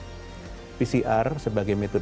pcr sebagai metode testing yang lebih berkualitas